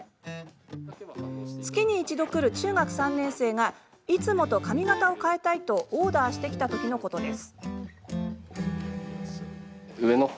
月に一度、来る中学３年生がいつもと髪形を変えたいとオーダーしてきたときのことです。